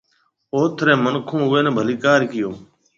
اوٿ رَي مِنکون اُوئي نَي ڀليڪار ڪئيو۔